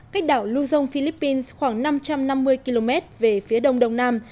cách đảo luzon philippines khoảng năm trăm năm mươi km về phía đông đông nam